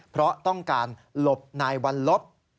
เพราะต้องการหลบนายวัลลบ